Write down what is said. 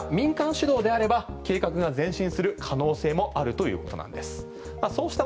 ただ民間主導であれば計画が前進する可能性もあるということなんです。